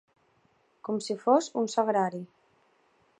Com si fos un sagrari.